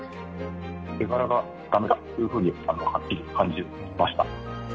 絵柄がだめだっていうふうにはっきり感じました。